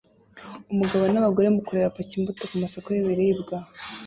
Umugabo nabagore mukureba paki imbuto kumasoko yibiribwa